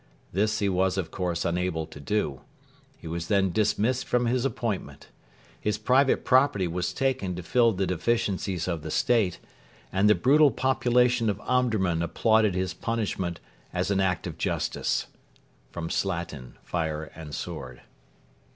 This he was, of course, unable to do. He was then dismissed from his appointment. His private property was taken to fill the deficiencies of the State, and the brutal population of Omdurman applauded his punishment as 'an act of justice.' [Slatin, FIRE AND SWORD.